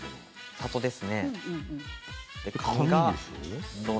里ですね。